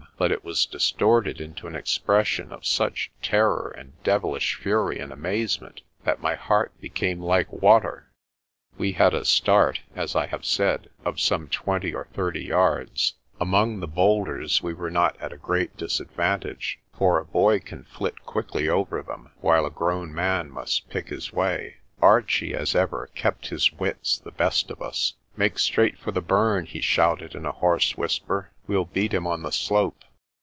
But it was distorted into an expression of such terror and devilish fury and amazement that my heart became like water. We had a start, as I have said, of some twenty or thirty yards. Among the boulders we were not at a great dis advantage, for a boy can flit quickly over them, while a MAN ON KIRKCAPLE SHORE 21 grown man must pick his way. Archie, as ever, kept his wits the best of us. "Make straight for the burn," he shouted in a hoarse whisper; "we'll beat him on the slope."